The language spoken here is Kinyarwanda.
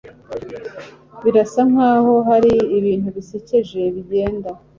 Birasa nkaho hari ibintu bisekeje bigenda.